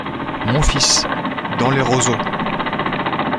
Mon fils… dans les roseaux !